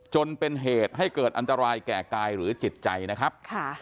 จนเป็นเหตุให้เกิดอันตรายแก่กายหรือจิตใจนะครับ